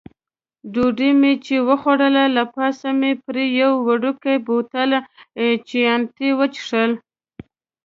ډوډۍ مې چې وخوړله، له پاسه مې پرې یو وړوکی بوتل چیانتي وڅېښه.